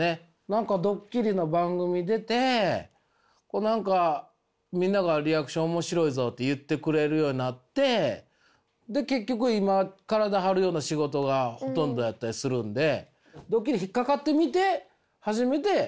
何かドッキリの番組出て何かみんなが「リアクション面白いぞ」って言ってくれるようになってで結局今体張るような仕事がほとんどやったりするんで。